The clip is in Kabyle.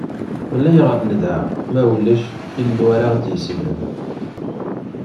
Ulayɣer nedɛa ma ulac illu ara ɣ-d-yeslen.